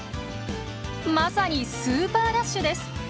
まさにスーパーダッシュです。